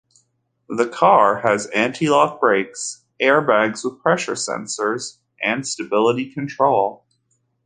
The car has anti-lock brakes, airbags with pressure sensors, and stability control.